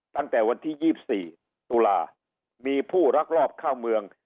ตั้งแต่วันที่๒๔ตุลามีผู้รักรอบเข้าเมือง